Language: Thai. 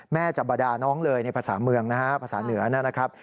แม่จะบาดาน้องเลยในภาษาเมืองนะฮะภาษาเหนือนะครับ